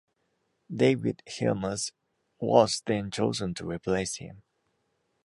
David Hilmers was then chosen to replace him.